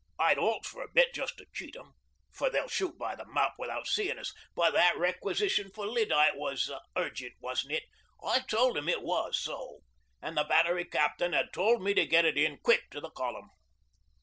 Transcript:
I'd halt for a bit just to cheat 'em, for they'll shoot by the map without seein' us. But that requisition for lyddite was urgent, wasn't it?" 'I told him it was so, an' the Battery captain had told me to get it in quick to the column.